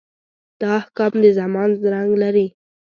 دا احکام د زمان رنګ لري.